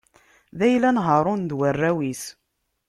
D ayla n Haṛun d warraw-is.